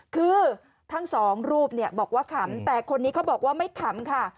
คือทั้งสองรูปบอกว่าขำแต่คนนี้เขาบอกว่าไม่ขำค่ะ